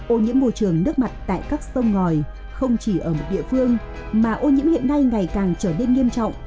ô nhiễm môi trường nước mặt tại các sông ngòi không chỉ ở một địa phương mà ô nhiễm hiện nay ngày càng trở nên nghiêm trọng